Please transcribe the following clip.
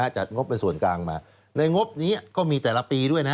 งบเป็นส่วนกลางมาในงบนี้ก็มีแต่ละปีด้วย